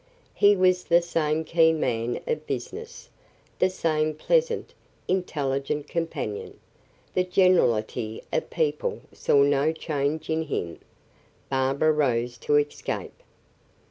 He was the same keen man of business, the same pleasant, intelligent companion; the generality of people saw no change in him. Barbara rose to escape.